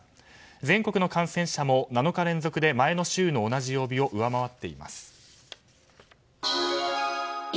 全国の感染者も７日連続で前の週の同じ曜日を上回っています。